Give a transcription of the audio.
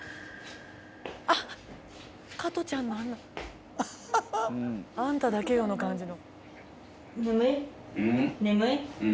「あっ加トちゃんのあんなあんただけよの感じの」